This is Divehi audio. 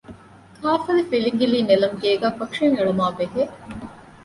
ގއ.ވިލިނގިލީ ނެލަމްގޭގައި ކޮޓަރިއެއް އެޅުމާއި ބެހޭ